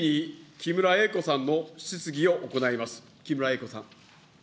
木村英子さん。